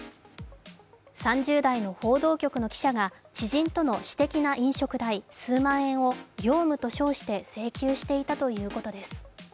３０代の報道局の記者が知人との私的な飲食代、数万円を業務と称して請求していたということです。